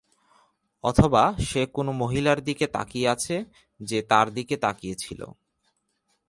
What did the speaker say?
অথবা সে কোন মহিলার দিকে তাকিয়ে আছে যে তার দিকে তাকিয়ে ছিলো।